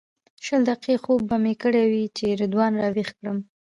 شل دقیقې خوب به مې کړی وي چې رضوان راویښ کړم.